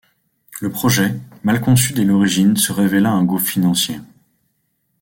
Le projet, mal conçu dès l'origine se révéla un gouffre financier.